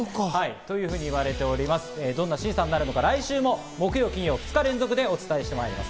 どんな審査になるのか来週も木曜・金曜と２日連続でお届けします。